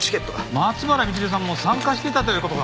松原みちるさんも参加してたという事か。